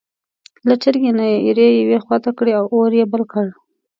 له چرګۍ نه یې ایرې یوې خوا ته کړې او اور یې بل کړ.